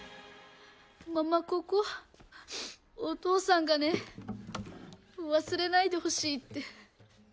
ママ・ココお父さんがね忘れないでほしいって。